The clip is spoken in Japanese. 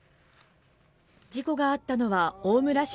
事故があったのは大村市